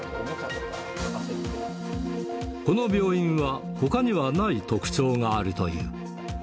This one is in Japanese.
この病院は、ほかにはない特徴があるという。